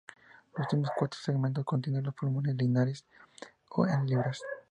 Los últimos cuatro segmentos contienen los pulmones laminares o en libros.